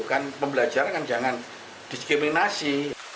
kan pembelajaran kan jangan diskriminasi